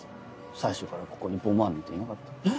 最初からここにボマーなんていなかった。